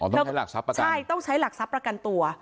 ต้องใช้หลักทรัพย์ประกันใช่ต้องใช้หลักทรัพย์ประกันตัว